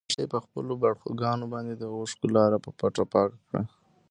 لښتې په خپلو باړخوګانو باندې د اوښکو لاره په پټه پاکه کړه.